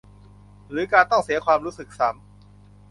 หรือการต้องเสียความรู้สึกซ้ำ